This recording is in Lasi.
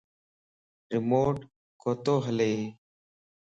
ريموٽ ڪوتو ھلئي